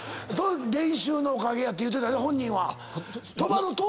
「練習のおかげや」って言うてたで本人は。